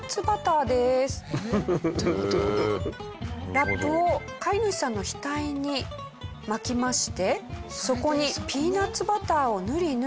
ラップを飼い主さんの額に巻きましてそこにピーナッツバターを塗り塗り。